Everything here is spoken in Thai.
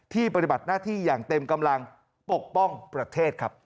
ปฏิบัติหน้าที่อย่างเต็มกำลังปกป้องประเทศครับ